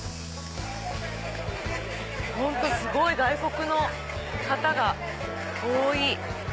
本当すごい外国の方が多い。